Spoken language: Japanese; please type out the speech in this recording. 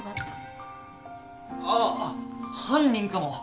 あ犯人かも。